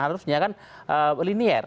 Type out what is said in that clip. harusnya kan linear